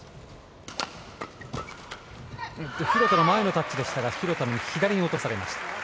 廣田が前のタッチでしたが左に落とされました。